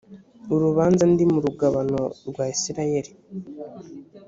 urubanza ndi mu rugabano rwa isirayeli